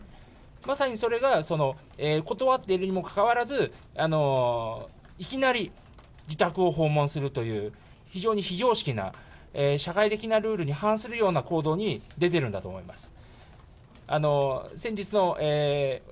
まさにそれが断っているにもかかわらず、いきなり自宅を訪問するという、非常に非常識な、社会的なルールに反するような行動に出てるんだと思います。